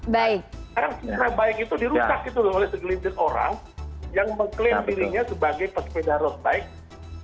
karena sepeda baik itu dirusak oleh segelintir orang yang mengklaim dirinya sebagai sepeda road bike